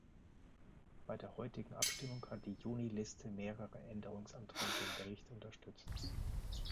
Bei der heutigen Abstimmung hat die Juniliste mehrere Änderungsanträge im Bericht unterstützt.